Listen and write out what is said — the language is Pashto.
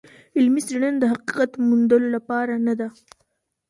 علمي څېړنه د حقیقت موندلو لپاره نده.